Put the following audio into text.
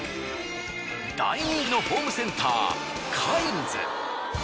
大人気のホームセンターカインズ。